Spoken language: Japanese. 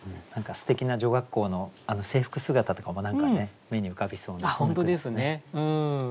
何かすてきな女学校の制服姿とかも目に浮かびそうですね。